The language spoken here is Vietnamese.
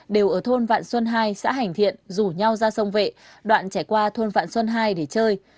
đều ở thôn vạn sân hai xã hành thiện rủ nhau ra sông vệ đoạn trẻ qua thôn vạn sân hai để chơi